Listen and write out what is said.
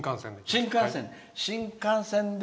新幹線で。